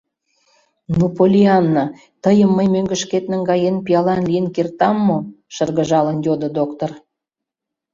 — Ну, Поллианна, тыйым мый мӧҥгышкет наҥгаен, пиалан лийын кертам мо? — шыргыжалын йодо доктыр.